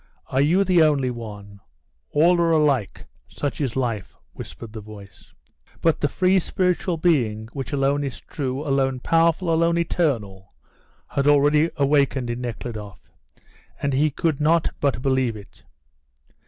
Are you the only one? All are alike, such is life," whispered the voice. But the free spiritual being, which alone is true, alone powerful, alone eternal, had already awakened in Nekhludoff, and he could not but believe it.